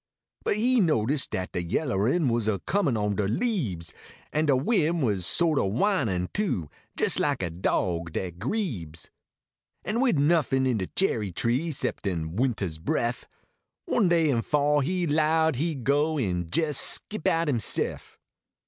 But he notice dat de yellerin Was a coinin on de leahes, An de win was so t o whinin , too, Jes like a dog dat grebes, An wid nuffin in de cherry tree Kxceptin wintah s bref, One day in fall he lowed he d go En jes skip out himself.